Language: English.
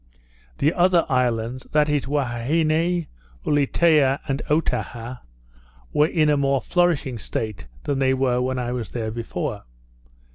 The other islands, that is, Huaheine, Ulietea, and Otaha, were in a more flourishing state than they were when I was there before.